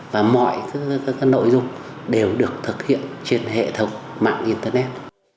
và mọi nội dung đều được thực hiện trên hệ thống mạng internet